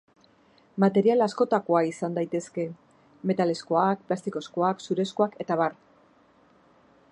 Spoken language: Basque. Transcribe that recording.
Material askotakoa izan daitezke: metalezkoak, plastikozkoak, zurezkoak eta abar.